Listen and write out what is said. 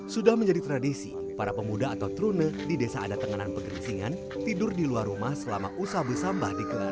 sudah menjadi tradisi para pemuda atau trune di desa adatenganan pegeringsingan tidur di luar rumah selama usah bersambah dikelar